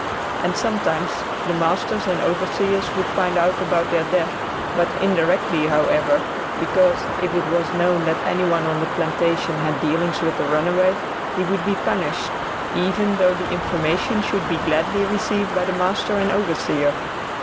And sometimes the masters and overseers would find out about their death, but indirectly, however, because if it was known that any one on the plantation had dealings with the runaway, he would be punished, even though the information should be gladly received by the master and overseer.